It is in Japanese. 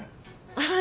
ああ。